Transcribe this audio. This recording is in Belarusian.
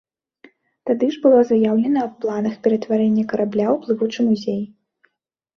Тады ж было заяўлена аб планах ператварэння карабля ў плывучы музей.